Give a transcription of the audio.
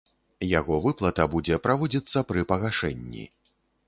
Яго выплата будзе праводзіцца пры пагашэнні.